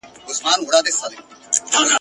غزل دي نور له دې بازاره سره نه جوړیږي ..